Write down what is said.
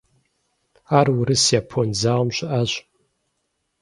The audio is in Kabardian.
Ар Урыс-Япон зауэм щыӏащ.